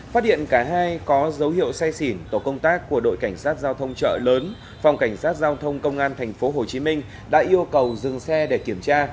phát hiện cả hai có dấu hiệu xe xỉn tổ công tác của đội cảnh sát giao thông chợ lớn phòng cảnh sát giao thông công an thành phố hồ chí minh đã yêu cầu dừng xe để kiểm tra